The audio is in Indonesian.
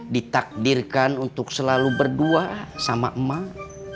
ditakdirkan untuk selalu berdua sama emak